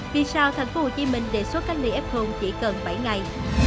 vì sao tp hcm đề xuất các lý f chỉ cần bảy ngày